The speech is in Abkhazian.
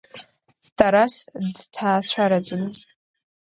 Тарас дҭаацәараӡамызт.